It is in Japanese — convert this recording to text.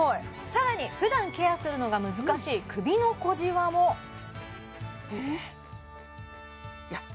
さらに普段ケアするのが難しい首の小じわもいや